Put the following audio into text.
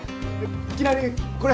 きなりこれ。